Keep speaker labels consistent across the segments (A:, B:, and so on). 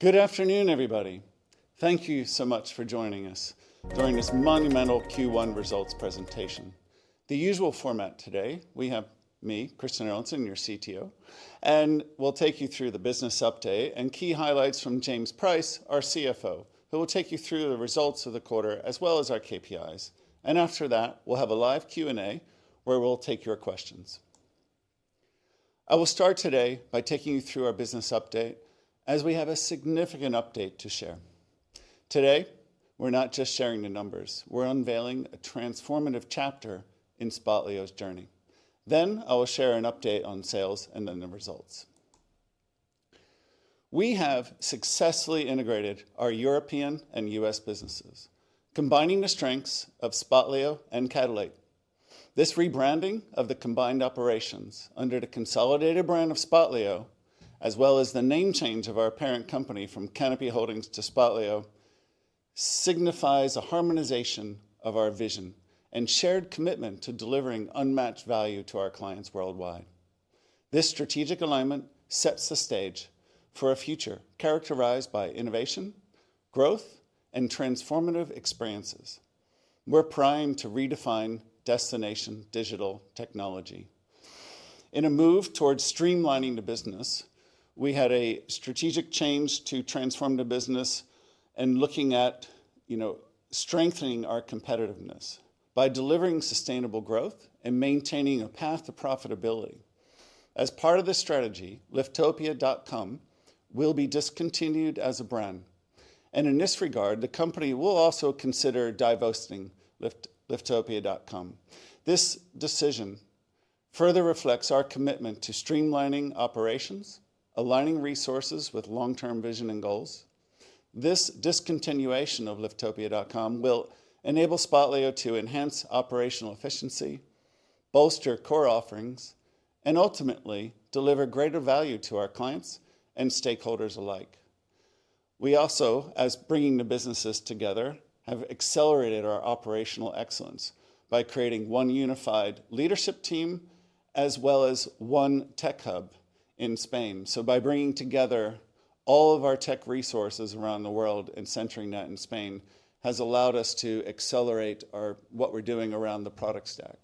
A: Good afternoon, everybody. Thank you so much for joining us during this Monumental Q1 Results Presentation. The usual format today, we have me, Christian Erlandson, your CEO, and we'll take you through the business update, and key highlights from James Price, our CFO, who will take you through the results of the quarter as well as our KPIs. After that, we'll have a live Q&A, where we'll take your questions. I will start today by taking you through our business update as we have a significant update to share. Today, we're not just sharing the numbers, we're unveiling a transformative chapter in Spotlio's journey. I will share an update on sales and then the results. We have successfully integrated our European and U.S. businesses, combining the strengths of Spotlio and Catalate. This rebranding of the combined operations under the consolidated brand of Spotlio, as well as the name change of our parent company from Canopy Holdings to Spotlio, signifies a harmonization of our vision and shared commitment to delivering unmatched value to our clients worldwide. This strategic alignment sets the stage for a future characterized by innovation, growth, and transformative experiences. We're primed to redefine destination digital technology. In a move towards streamlining the business, we had a strategic change to transform the business and looking at, you know, strengthening our competitiveness by delivering sustainable growth and maintaining a path to profitability. As part of this strategy, Liftopia.com will be discontinued as a brand, and in this regard, the company will also consider divesting Lift, Liftopia.com. This decision further reflects our commitment to streamlining operations, aligning resources with long-term vision and goals. This discontinuation of Liftopia.com will enable Spotlio to enhance operational efficiency, bolster core offerings, and ultimately deliver greater value to our clients and stakeholders alike. We also, as bringing the businesses together, have accelerated our operational excellence by creating one unified leadership team, as well as one tech hub in Spain. So by bringing together all of our tech resources around the world and centering that in Spain, has allowed us to accelerate our—what we're doing around the product stack.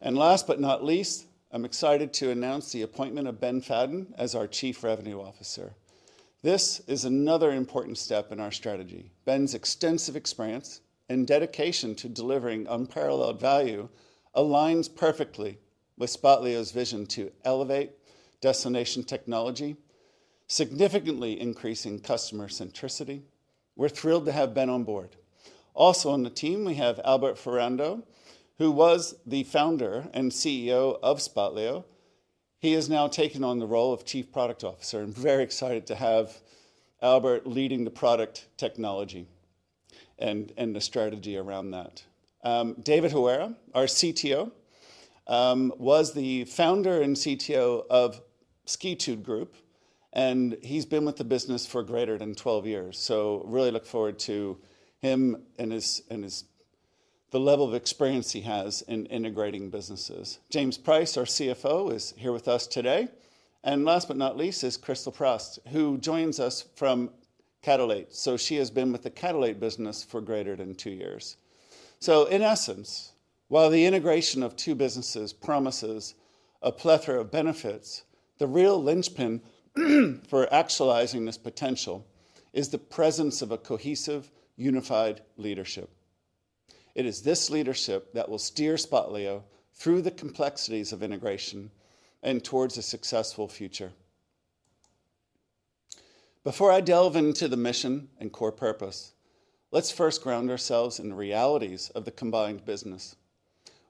A: And last but not least, I'm excited to announce the appointment of Ben Fadden as our Chief Revenue Officer. This is another important step in our strategy. Ben's extensive experience and dedication to delivering unparalleled value aligns perfectly with Spotlio's vision to elevate destination technology, significantly increasing customer centricity. We're thrilled to have Ben on board. Also on the team, we have Albert Ferrando, who was the founder and CEO of Spotlio. He has now taken on the role of Chief Product Officer. I'm very excited to have Albert leading the product technology and the strategy around that. David Guerra, our CTO, was the founder and CTO of Skitude, and he's been with the business for greater than 12 years. So really look forward to him and his level of experience he has in integrating businesses. James Price, our CFO, is here with us today, and last but not least, is Krystal Frost, who joins us from Catalate. So she has been with the Catalate business for greater than two years. So in essence, while the integration of two businesses promises a plethora of benefits, the real linchpin for actualizing this potential is the presence of a cohesive, unified leadership. It is this leadership that will steer Spotlio through the complexities of integration and towards a successful future. Before I delve into the mission and core purpose, let's first ground ourselves in the realities of the combined business.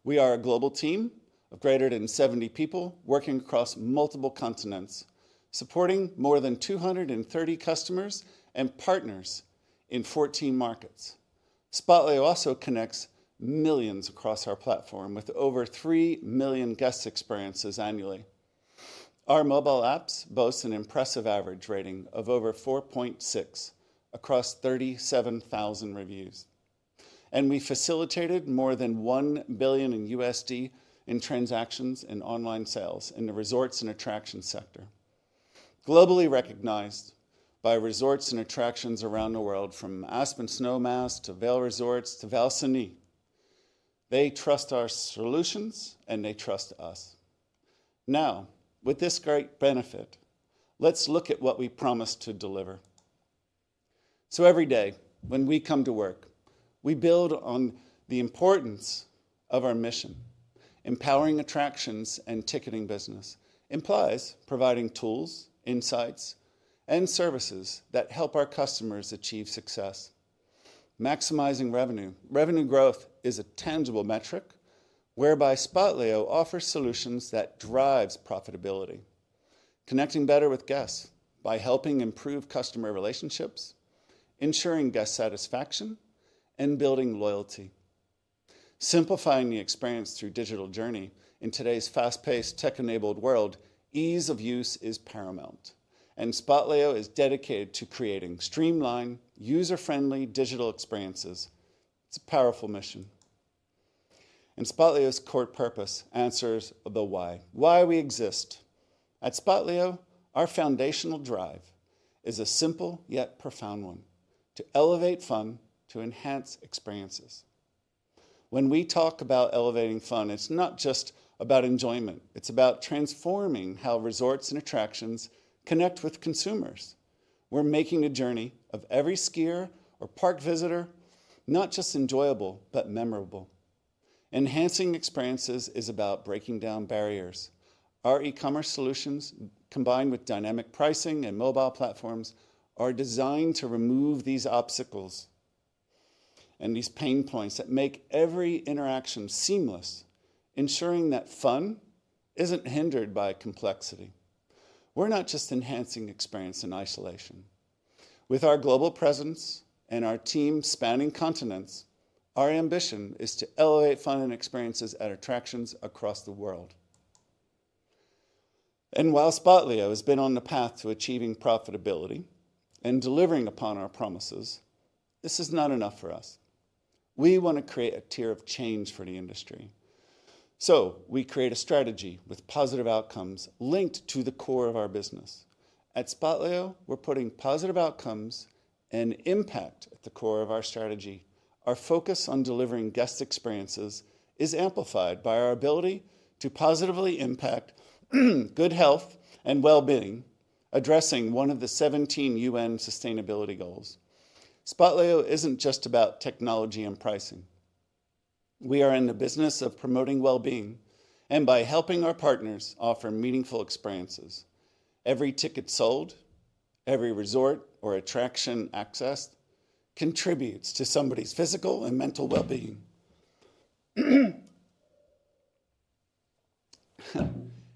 A: We are a global team of greater than 70 people working across multiple continents, supporting more than 230 customers and partners in 14 markets. Spotlio also connects millions across our platform, with over 3 million guest experiences annually. Our mobile apps boast an impressive average rating of over 4.6 across 37,000 reviews, and we facilitated more than $1 billion in transactions and online sales in the resorts and attractions sector. Globally recognized by resorts and attractions around the world, from Aspen Snowmass to Vail Resorts to Val Cenis. They trust our solutions, and they trust us. Now, with this great benefit, let's look at what we promise to deliver. Every day when we come to work, we build on the importance of our mission. Empowering attractions and ticketing business implies providing tools, insights, and services that help our customers achieve success. Maximizing revenue. Revenue growth is a tangible metric whereby Spotlio offers solutions that drives profitability. Connecting better with guests by helping improve customer relationships, ensuring guest satisfaction, and building loyalty. Simplifying the experience through digital journey. In today's fast-paced, tech-enabled world, ease of use is paramount, and Spotlio is dedicated to creating streamlined, user-friendly digital experiences. It's a powerful mission... and Spotlio's core purpose answers the why. Why we exist? At Spotlio, our foundational drive is a simple yet profound one: to elevate fun, to enhance experiences. When we talk about elevating fun, it's not just about enjoyment, it's about transforming how resorts and attractions connect with consumers. We're making the journey of every skier or park visitor not just enjoyable, but memorable. Enhancing experiences is about breaking down barriers. Our e-commerce solutions, combined with dynamic pricing and mobile platforms, are designed to remove these obstacles and these pain points that make every interaction seamless, ensuring that fun isn't hindered by complexity. We're not just enhancing experience in isolation. With our global presence and our team spanning continents, our ambition is to elevate fun and experiences at attractions across the world. While Spotlio has been on the path to achieving profitability and delivering upon our promises, this is not enough for us. We wanna create a tier of change for the industry. So we create a strategy with positive outcomes linked to the core of our business. At Spotlio, we're putting positive outcomes and impact at the core of our strategy. Our focus on delivering guest experiences is amplified by our ability to positively impact good health and well-being, addressing one of the 17 UN sustainability goals. Spotlio isn't just about technology and pricing. We are in the business of promoting well-being, and by helping our partners offer meaningful experiences. Every ticket sold, every resort or attraction accessed, contributes to somebody's physical and mental well-being.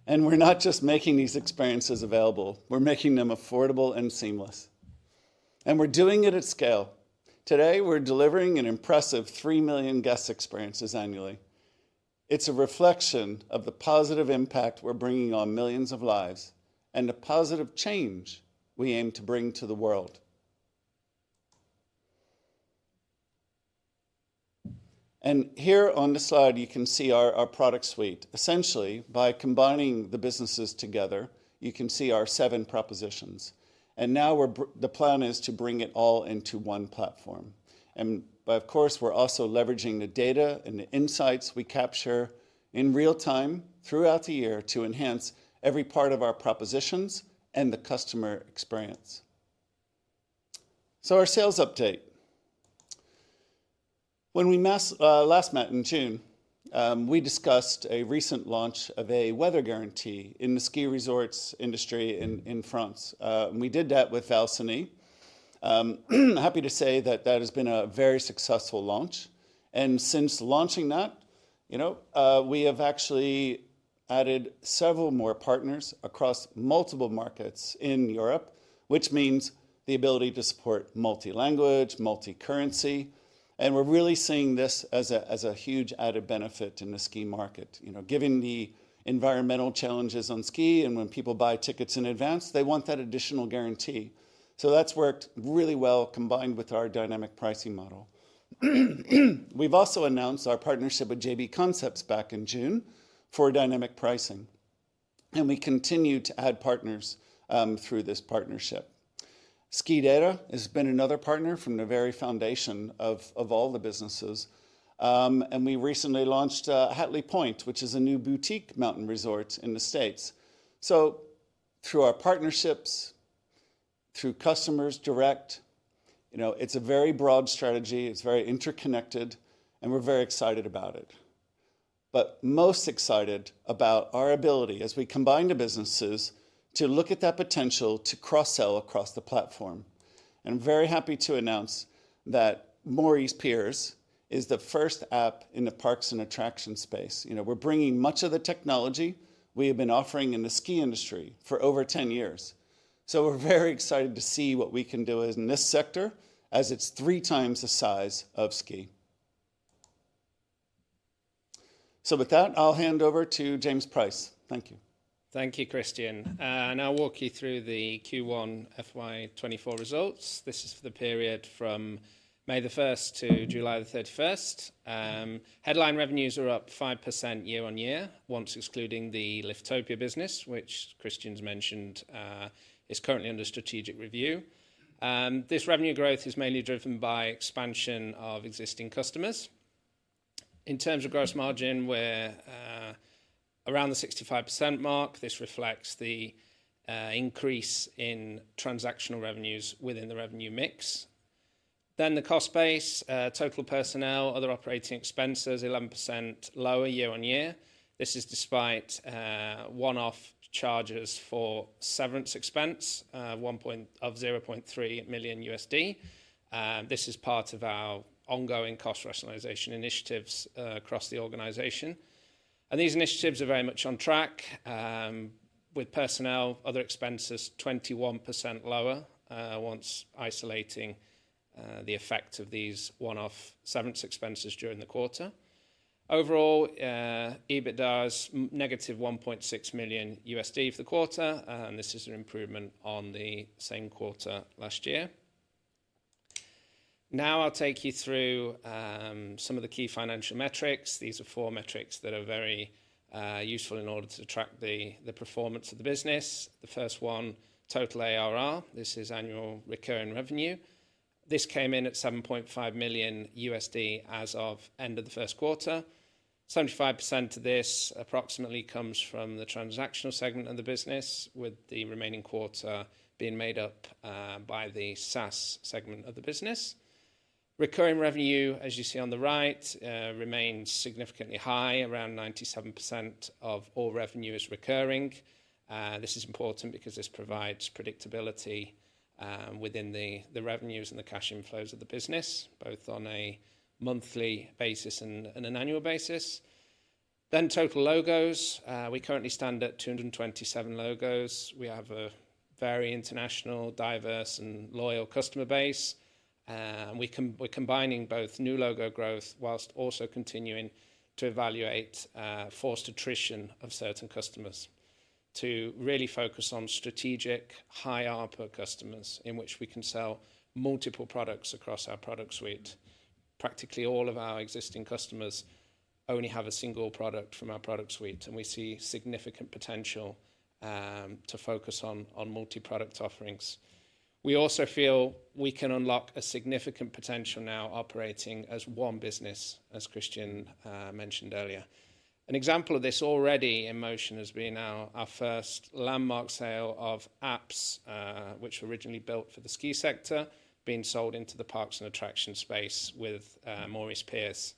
A: And we're not just making these experiences available, we're making them affordable and seamless, and we're doing it at scale. Today, we're delivering an impressive 3 million guest experiences annually. It's a reflection of the positive impact we're bringing on millions of lives, and the positive change we aim to bring to the world. Here on the slide, you can see our product suite. Essentially, by combining the businesses together, you can see our seven propositions, and now the plan is to bring it all into one platform. But of course, we're also leveraging the data and the insights we capture in real time throughout the year to enhance every part of our propositions and the customer experience. Our sales update. When we last met in June, we discussed a recent launch of a weather guarantee in the ski resorts industry in France. And we did that with Val Cenis. Happy to say that that has been a very successful launch, and since launching that, you know, we have actually added several more partners across multiple markets in Europe, which means the ability to support multi-language, multi-currency, and we're really seeing this as a huge added benefit in the ski market. You know, given the environmental challenges on ski, and when people buy tickets in advance, they want that additional guarantee. So that's worked really well, combined with our dynamic pricing model. We've also announced our partnership with JB Concepts back in June for dynamic pricing, and we continue to add partners through this partnership. SKIDATA has been another partner from the very foundation of all the businesses. And we recently launched Hatley Pointe, which is a new boutique mountain resort in the States. So through our partnerships, through customers direct, you know, it's a very broad strategy, it's very interconnected, and we're very excited about it. But most excited about our ability, as we combine the businesses, to look at that potential to cross-sell across the platform. And I'm very happy to announce that Morey's Piers is the first app in the parks and attraction space. You know, we're bringing much of the technology we have been offering in the ski industry for over 10 years. So we're very excited to see what we can do in this sector, as it's 3x the size of ski. So with that, I'll hand over to James Price. Thank you.
B: Thank you, Christian. I'll walk you through the Q1 FY 2024 results. This is for the period from May 1 to July 31. Headline revenues are up 5% year-on-year, once excluding the Liftopia business, which Christian's mentioned, is currently under strategic review. This revenue growth is mainly driven by expansion of existing customers. In terms of gross margin, we're around the 65% mark. This reflects the increase in transactional revenues within the revenue mix. The cost base, total personnel, other operating expenses, 11% lower year-on-year. This is despite one-off charges for severance expense of $0.3 million. This is part of our ongoing cost rationalization initiatives across the organization. These initiatives are very much on track, with personnel, other expenses 21% lower, once isolating the effect of these one-off severance expenses during the quarter. Overall, EBITDA is negative $1.6 million for the quarter, and this is an improvement on the same quarter last year. Now I'll take you through some of the key financial metrics. These are four metrics that are very useful in order to track the performance of the business. The first one, total ARR, this is annual recurring revenue. This came in at $7.5 million as of end of the first quarter. 75% of this approximately comes from the transactional segment of the business, with the remaining quarter being made up by the SaaS segment of the business. Recurring revenue, as you see on the right, remains significantly high. Around 97% of all revenue is recurring. This is important because this provides predictability within the revenues and the cash inflows of the business, both on a monthly basis and an annual basis. Then total logos, we currently stand at 227 logos. We have a very international, diverse, and loyal customer base, and we're combining both new logo growth whilst also continuing to evaluate forced attrition of certain customers, to really focus on strategic, high ARPA customers, in which we can sell multiple products across our product suite. Practically all of our existing customers only have a single product from our product suite, and we see significant potential to focus on multi-product offerings. We also feel we can unlock a significant potential now operating as one business, as Christian mentioned earlier. An example of this already in motion has been our first landmark sale of apps, which were originally built for the ski sector, being sold into the parks and attraction space with Morey's Piers.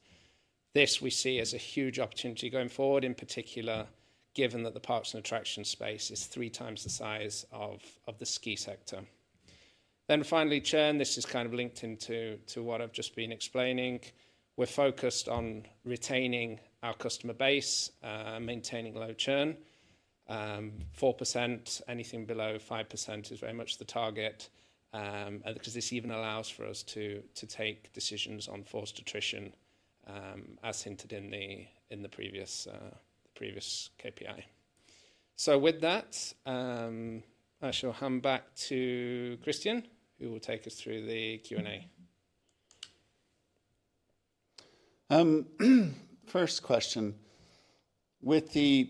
B: This we see as a huge opportunity going forward, in particular, given that the parks and attraction space is 3x the size of the ski sector. Then finally, churn. This is kind of linked into what I've just been explaining. We're focused on retaining our customer base, maintaining low churn. Four percent, anything below 5% is very much the target, and because this even allows for us to take decisions on forced attrition, as hinted in the previous KPI. With that, I shall hand back to Christian, who will take us through the Q&A.
A: First question: With the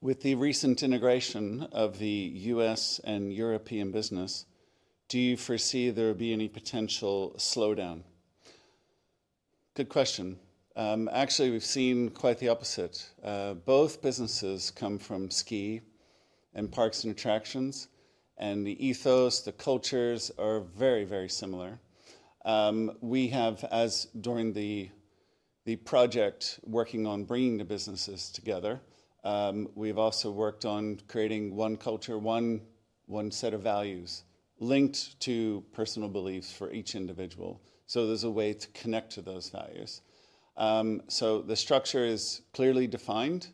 A: recent integration of the US and European business, do you foresee there will be any potential slowdown? Good question. Actually, we've seen quite the opposite. Both businesses come from ski and parks and attractions, and the ethos, the cultures are very, very similar. We have, as during the project, working on bringing the businesses together, we've also worked on creating one culture, one set of values linked to personal beliefs for each individual, so there's a way to connect to those values. The structure is clearly defined,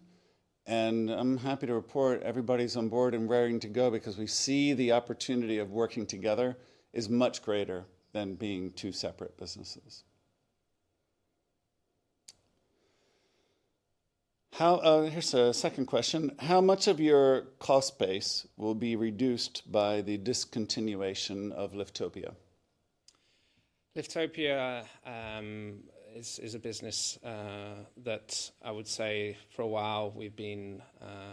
A: and I'm happy to report everybody's on board and raring to go because we see the opportunity of working together is much greater than being two separate businesses. Here's a second question: How much of your cost base will be reduced by the discontinuation of Liftopia?
B: Liftopia is a business that I would say for a while we've been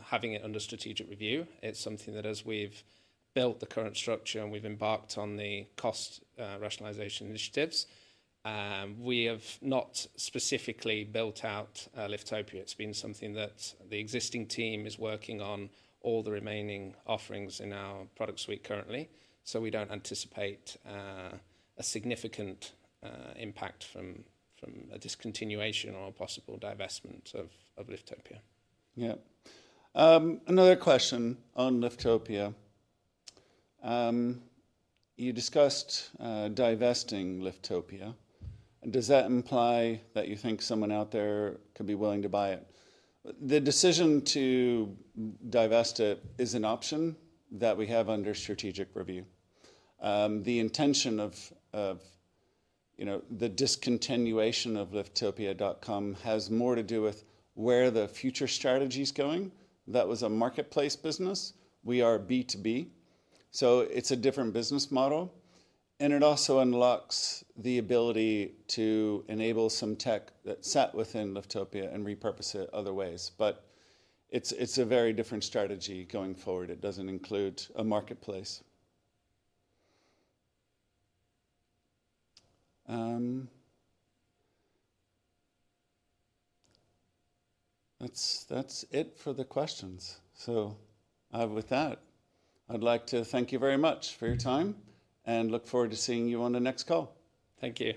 B: having it under strategic review. It's something that as we've built the current structure and we've embarked on the cost rationalization initiatives, we have not specifically built out Liftopia. It's been something that the existing team is working on all the remaining offerings in our product suite currently, so we don't anticipate a significant impact from a discontinuation or a possible divestment of Liftopia.
A: Yeah. Another question on Liftopia. You discussed divesting Liftopia. Does that imply that you think someone out there could be willing to buy it? The decision to divest it is an option that we have under strategic review. The intention of, you know, the discontinuation of Liftopia.com has more to do with where the future strategy's going. That was a marketplace business. We are B2B, so it's a different business model, and it also unlocks the ability to enable some tech that sat within Liftopia and repurpose it other ways. But it's a very different strategy going forward. It doesn't include a marketplace. That's it for the questions. So, with that, I'd like to thank you very much for your time and look forward to seeing you on the next call.
B: Thank you.